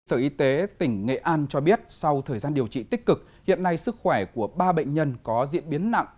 sở y tế tỉnh nghệ an cho biết sau thời gian điều trị tích cực hiện nay sức khỏe của ba bệnh nhân có diễn biến nặng